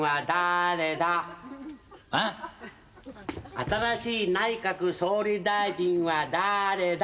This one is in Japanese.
・新しい内閣総理大臣は誰だ？